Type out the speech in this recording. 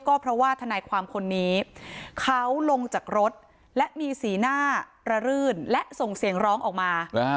ก็เพราะว่าทนายความคนนี้เขาลงจากรถและมีสีหน้าระรื่นและส่งเสียงร้องออกมา